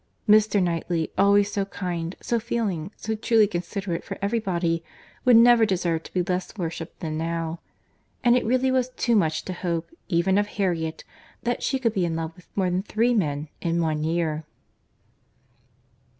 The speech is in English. Mr. Knightley, always so kind, so feeling, so truly considerate for every body, would never deserve to be less worshipped than now; and it really was too much to hope even of Harriet, that she could be in love with more than three men in one year.